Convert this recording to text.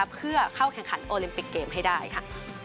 เพื่อเข้าแข่งขันโอลิมปิกเกมให้ได้ค่ะ